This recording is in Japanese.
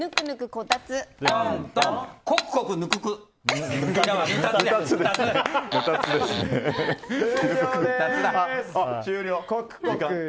こくこくぬくく。